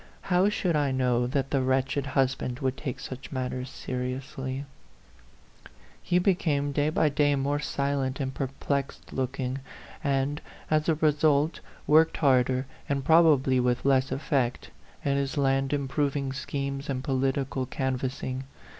How should I know that the wretched husband would take such matters seriously ? He became day by day more silent and perplexed looking ; and, as a result, worked harder, and probably with less effect, at his land improving schemes and political can vassing.